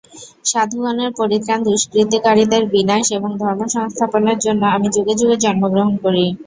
সাধুগণের পরিত্রাণ, দুষ্কৃতকারীদের বিনাশ এবং ধর্মসংস্থাপনের জন্য আমি যুগে যুগে জন্মগ্রহণ করি।